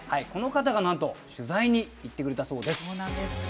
この方がなんと取材に行ってくれたそうです。